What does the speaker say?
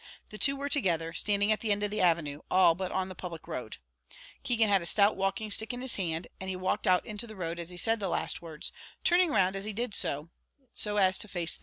The two were together, standing at the end of the avenue, all but on the public road. Keegan had a stout walking stick in his hand, and he walked out into the road as he said the last words, turning round as he did so, so as to face Thady.